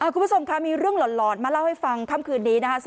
คุณผู้ชมค่ะมีเรื่องหลอนมาเล่าให้ฟังค่ำคืนนี้นะคะ